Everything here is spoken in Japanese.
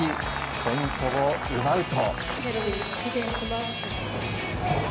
ポイントを奪うと。